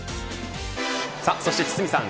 そして堤さん